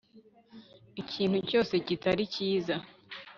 ikintu cyose kitari cyiza